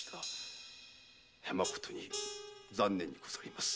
まことに残念にございます。